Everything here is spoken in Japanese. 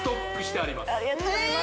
ありがとうございます